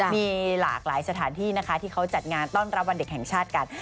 มีหลากหลายสถานที่นะคะที่เขาจัดงานต้อนรับวันเด็กแห่งชาติกัน